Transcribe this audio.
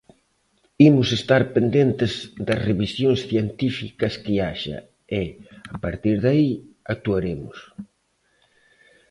Imos estar pendentes das revisións científicas que haxa e, a partir de aí, actuaremos.